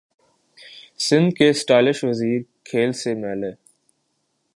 سندھ کے اسٹائلش وزیر کھیل سے ملیے